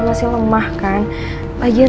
masih lemah kan lagian